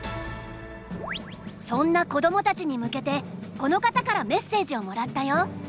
そんなこどもたちに向けてこの方からメッセージをもらったよ。